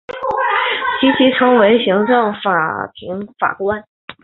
其后成为行政法庭法官。